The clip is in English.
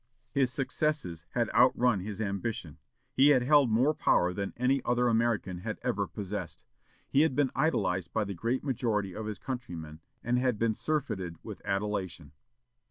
"His successes had outrun his ambition. He had held more power than any other American had ever possessed. He had been idolized by the great majority of his countrymen, and had been surfeited with adulation."